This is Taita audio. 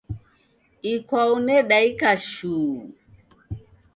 Ikwau nedaika shuu.